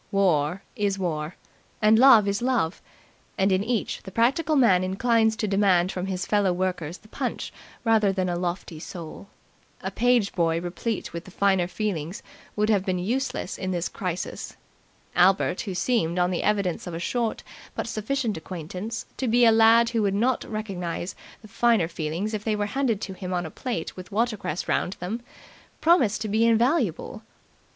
War is war, and love is love, and in each the practical man inclines to demand from his fellow workers the punch rather than a lofty soul. A page boy replete with the finer feelings would have been useless in this crisis. Albert, who seemed, on the evidence of a short but sufficient acquaintance, to be a lad who would not recognize the finer feelings if they were handed to him on a plate with watercress round them, promised to be invaluable.